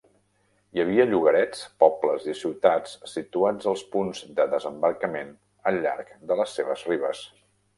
Hi havia llogarets, pobles i ciutats situats als punts de desembarcament al llarg de les seves ribes.